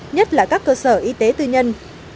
nhất là các cơ sở y tế tư nhân